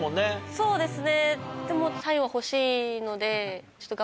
そうですねでも。